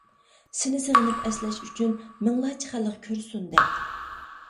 سېنى سېغىنىپ ئەسلەش ئۈچۈن، مىڭلارچە خەلق كۆرسۇن دەپ.